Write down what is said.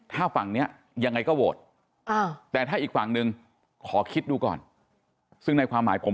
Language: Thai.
ถ้าฝั่งเนี่ยยังไงก็โวตแต่ถ้าอีกฝั่งนึงขอคิดดูก่อนซึ่งในความ